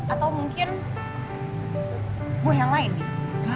atau mungkin buah yang lain gitu